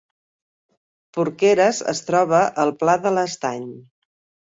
Porqueres es troba al Pla de l’Estany